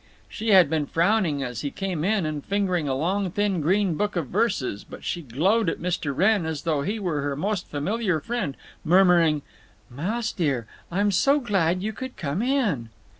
She had been frowning as he came in and fingering a long thin green book of verses, but she glowed at Mr. Wrenn as though he were her most familiar friend, murmuring, "Mouse dear, I'm so glad you could come in."